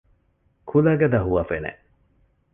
ކުލަގަދަ ހުވަފެނެއް